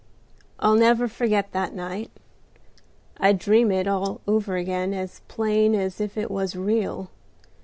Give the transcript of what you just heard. "I'll never forget that night. I dream it all over again as plain as if it was real.